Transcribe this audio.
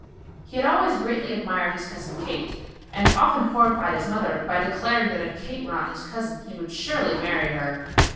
He had always greatly admired his cousin Kate, and often horrified his mother by declaring that if Kate were not his cousin, he would surely marry her.